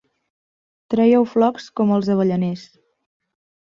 Trèieu flocs com els avellaners.